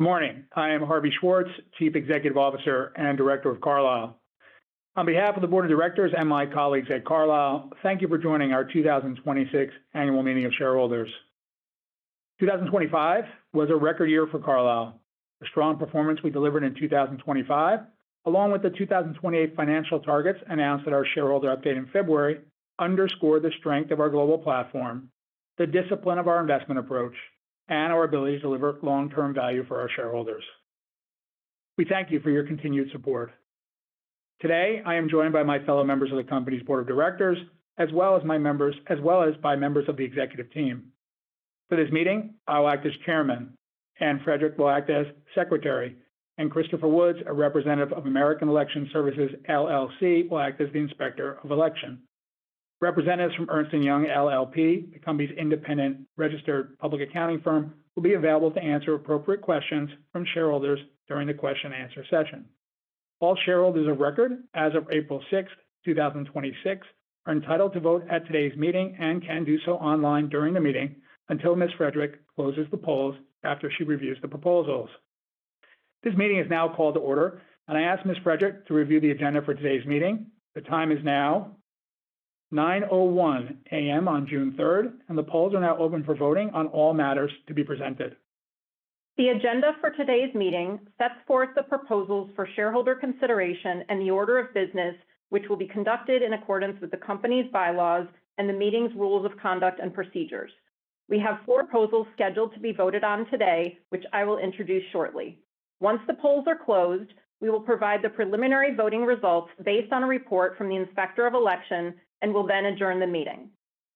Morning. I am Harvey Schwartz, Chief Executive Officer and Director of Carlyle. On behalf of the board of directors and my colleagues at Carlyle, thank you for joining our 2026 annual meeting of shareholders. 2025 was a record year for Carlyle. The strong performance we delivered in 2025, along with the 2028 financial targets announced at our shareholder update in February, underscore the strength of our global platform, the discipline of our investment approach, and our ability to deliver long-term value for our shareholders. We thank you for your continued support. Today, I am joined by my fellow members of the company's board of directors, as well as by members of the executive team. For this meeting, I'll act as chairman, Anne Frederick will act as secretary, and Christopher Woods, a representative of American Election Services, LLC, will act as the inspector of election. Representatives from Ernst & Young LLP, the company's independent registered public accounting firm, will be available to answer appropriate questions from shareholders during the question and answer session. All shareholders of record as of April 6th, 2026, are entitled to vote at today's meeting and can do so online during the meeting until Ms. Frederick closes the polls after she reviews the proposals. This meeting is now called to order, and I ask Ms. Frederick to review the agenda for today's meeting. The time is now 9:01 A.M. on June 3rd, and the polls are now open for voting on all matters to be presented. The agenda for today's meeting sets forth the proposals for shareholder consideration and the order of business, which will be conducted in accordance with the company's bylaws and the meeting's rules of conduct and procedures. We have four proposals scheduled to be voted on today, which I will introduce shortly. Once the polls are closed, we will provide the preliminary voting results based on a report from the Inspector of Election and will then adjourn the meeting.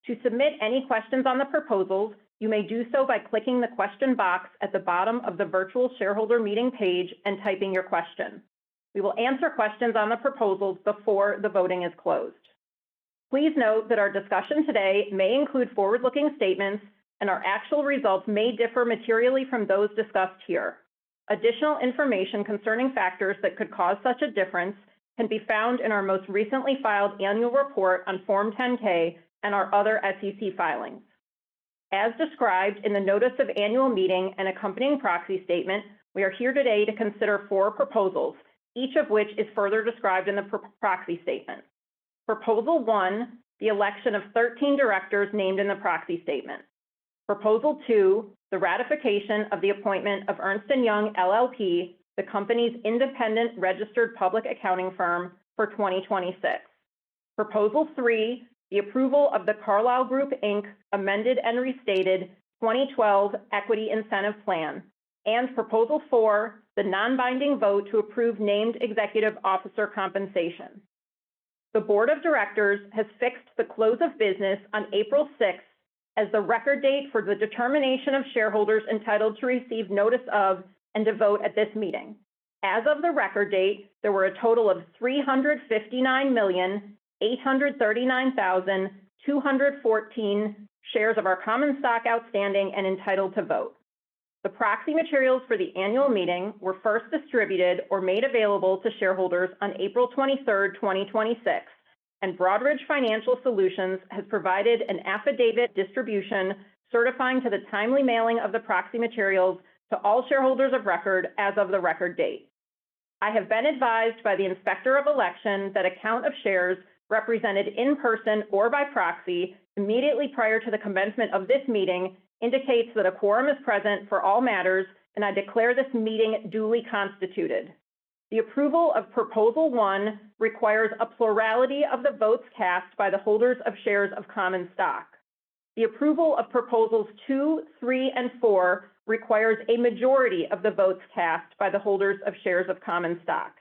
To submit any questions on the proposals, you may do so by clicking the question box at the bottom of the virtual shareholder meeting page and typing your question. We will answer questions on the proposals before the voting is closed. Please note that our discussion today may include forward-looking statements and our actual results may differ materially from those discussed here. Additional information concerning factors that could cause such a difference can be found in our most recently filed annual report on Form 10-K and our other SEC filings. As described in the notice of annual meeting and accompanying proxy statement, we are here today to consider four proposals, each of which is further described in the proxy statement. Proposal one, the election of 13 directors named in the proxy statement. Proposal two, the ratification of the appointment of Ernst & Young LLP, the company's independent registered public accounting firm for 2026. Proposal three, the approval of The Carlyle Group Inc.'s amended and restated 2012 equity incentive plan. Proposal four, the non-binding vote to approve named executive officer compensation. The board of directors has fixed the close of business on April 6th as the record date for the determination of shareholders entitled to receive notice of and to vote at this meeting. As of the record date, there were a total of 359,839,214 shares of our common stock outstanding and entitled to vote. The proxy materials for the annual meeting were first distributed or made available to shareholders on April 23rd, 2026, and Broadridge Financial Solutions has provided an affidavit distribution certifying to the timely mailing of the proxy materials to all shareholders of record as of the record date. I have been advised by the Inspector of Election that a count of shares represented in person or by proxy immediately prior to the commencement of this meeting indicates that a quorum is present for all matters, and I declare this meeting duly constituted. The approval of proposal one requires a plurality of the votes cast by the holders of shares of common stock. The approval of proposals two, three, and four requires a majority of the votes cast by the holders of shares of common stock.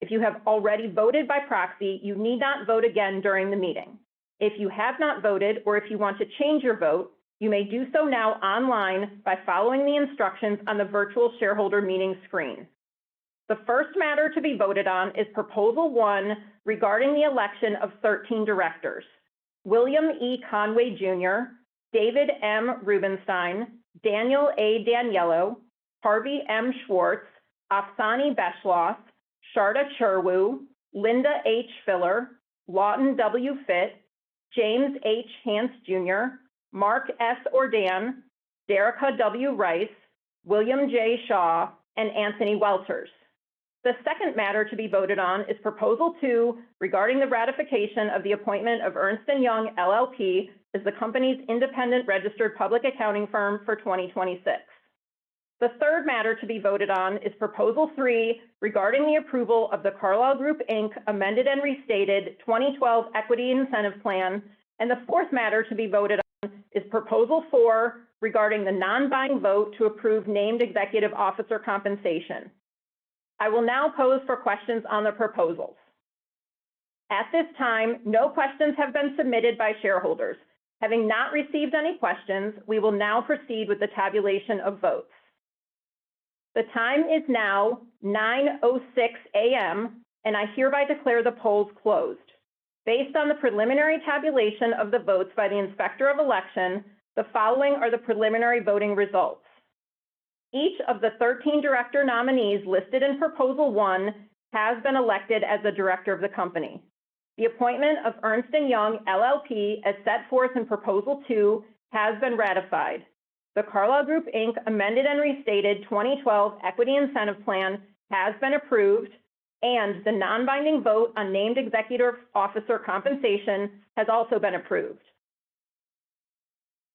If you have already voted by proxy, you need not vote again during the meeting. If you have not voted or if you want to change your vote, you may do so now online by following the instructions on the virtual shareholder meeting screen. The first matter to be voted on is proposal one regarding the election of 13 directors, William E. Conway, Jr., David M. Rubenstein, Daniel A. D'Aniello, Harvey M. Schwartz, Afsaneh Beschloss, Sharda Cherwoo, Linda H. Filler, Lawton W. Fitt, James H. Hance, Jr., Mark S. Ordan, Derica W. Rice, William J. Shaw, and Anthony Welters. The second matter to be voted on is proposal two regarding the ratification of the appointment of Ernst & Young LLP as the company's independent registered public accounting firm for 2026. The third matter to be voted on is proposal three regarding the approval of The Carlyle Group Inc.'s Amended and Restated 2012 Equity Incentive Plan, and the fourth matter to be voted on is proposal four regarding the non-binding vote to approve named executive officer compensation. I will now pose for questions on the proposals. At this time, no questions have been submitted by shareholders. Having not received any questions, we will now proceed with the tabulation of votes. The time is now 9:06 A.M., and I hereby declare the polls closed. Based on the preliminary tabulation of the votes by the Inspector of Election, the following are the preliminary voting results. Each of the 13 director nominees listed in proposal one has been elected as a director of the company. The appointment of Ernst & Young LLP, as set forth in proposal two, has been ratified. The Carlyle Group Inc.'s Amended and Restated 2012 Equity Incentive Plan has been approved, and the non-binding vote on named executive officer compensation has also been approved.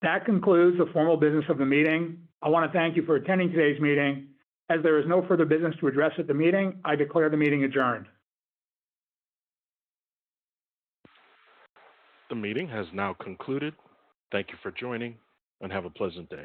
That concludes the formal business of the meeting. I want to thank you for attending today's meeting. As there is no further business to address at the meeting, I declare the meeting adjourned. The meeting has now concluded. Thank you for joining, and have a pleasant day.